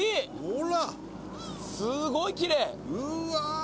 ほらすごいきれい！